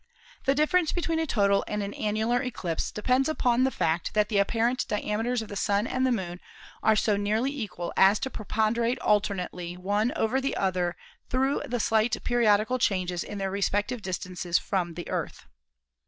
The difference between a total and an annular eclipse depends upon the fact that the apparent diameters of the Sun and the Moon are so nearly equal as to preponderate alternately one over the other through the slight periodical changes in their respective distances from the Earth.